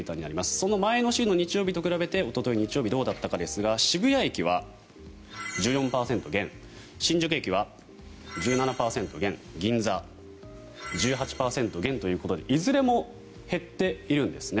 その前の週の日曜日と比べておとといの日曜日はどうだったか渋谷駅は１４％減新宿駅は１７％減銀座、１８％減ということでいずれも減っているんですね。